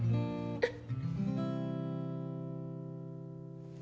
えっ？